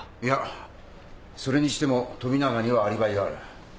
いやそれにしても富永にはアリバイがある。